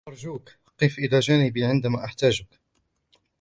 أرجوك قف إلی جانبي عندما أحتاجك.